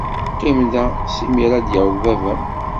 Qqim da s imir ara d-yaweḍ baba-m.